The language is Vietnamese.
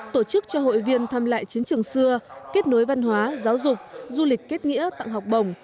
tổ chức cho hội viên thăm lại chiến trường xưa kết nối văn hóa giáo dục du lịch kết nghĩa tặng học bổng